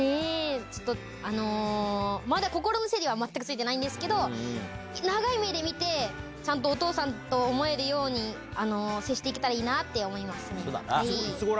ちょっとまだ心の整理は全くついてないんですけど、長い目で見て、ちゃんとお父さんと思えるように接していけたらいいなって思いまそうだな。